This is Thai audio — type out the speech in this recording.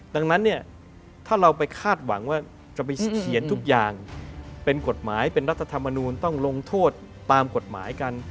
ดังนั้นเนี่ยถ้าเราไปคาดหวังว่าจะไปเขียนทุกอย่างเป็นกฎหมายเป็นรัฐธรรมนูลต้องลงโทษตามกฎหมายกัน